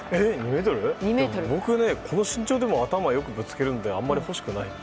僕ね、この身長でも頭を良くぶつけるんであんまり欲しくないです。